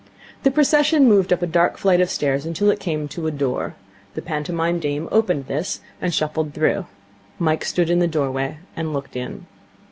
The procession moved up a dark flight of stairs until it came to a door. The pantomime dame opened this, and shuffled through. Mike stood in the doorway, and looked in.